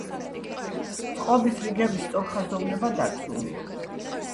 წყობის რიგების სწორხაზოვნება დაცულია.